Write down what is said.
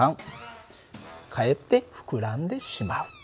３かえって膨らんでしまう。